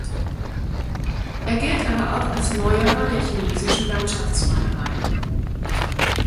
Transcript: Er gilt aber auch als Neuerer der chinesischen Landschaftsmalerei.